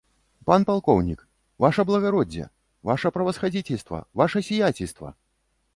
Пан палкоўнік, ваша благароддзе, ваша правасхадзіцельства, ваша сіяцельства!